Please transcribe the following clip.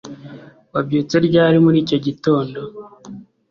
Wabyutse ryari muri icyo gitondo